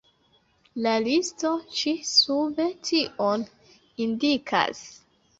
La listo ĉi sube tion indikas.